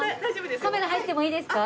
カメラ入ってもいいですか？